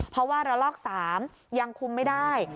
เพราะว่าระลอก๓ยังคุมไม่ได้